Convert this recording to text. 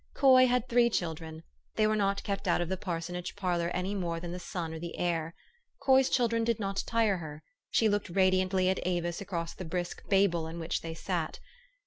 Coy had three children : they were not kept out of the parsonage parlor any more than the sun or the air. Coy's children did not tire her : she looked radiantly at Avis across the brisk Babel in which they sat.